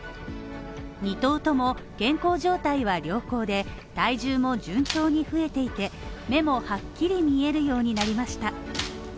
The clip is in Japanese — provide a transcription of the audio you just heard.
２頭とも、健康状態は良好で体重も順調に増えていて、目もはっきり見えるようになりました。